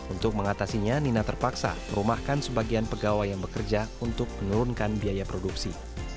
untuk mengatasinya nina terpaksa merumahkan sebagian pegawai yang bekerja untuk menurunkan biaya produksi